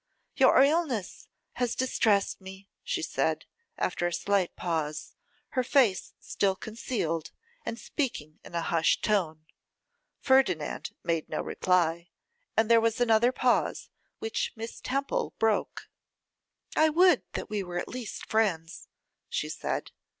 'Your illness has distressed me,' she said, after a slight pause, her face still concealed, and speaking in a hushed tone. Ferdinand made no reply, and there was another pause, which Miss Temple broke. 'I would that we were at least friends,' she said.